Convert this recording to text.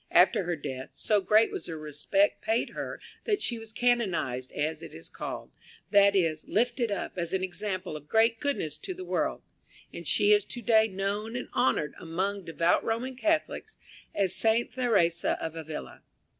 After her death, so great was the respect paid her that she was canonized, as it is called: that is, lifted up as an example of great goodness to the world; and she is to day known and honored among devout Roman Catholics as St. Theresa of Avila.